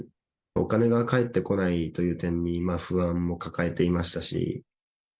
お金が返ってこないという点に不安も抱えていましたし。